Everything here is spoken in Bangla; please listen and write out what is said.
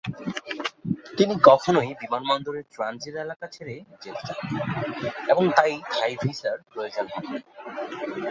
তিনি কখনোই বিমানবন্দরের ট্রানজিট এলাকা ছেড়ে যেতে চাননি এবং তাই থাই ভিসার প্রয়োজন হয়নি।